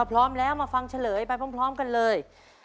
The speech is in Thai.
พร้อมแล้วมาฟังเฉลยไปพร้อมกันเลย